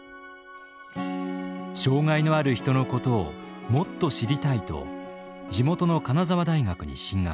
障害のある人のことをもっと知りたいと地元の金沢大学に進学。